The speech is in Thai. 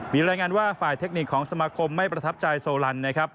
มีรายงานว่าฝ่ายเทคนิคของสมาคมไม่ประทับใจโซลันนะครับ